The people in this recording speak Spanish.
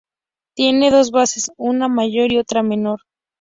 Tiene dos bases, una mayor y otra menor.